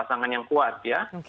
pasangan yang kuat ya